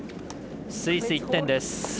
スイス、１点です。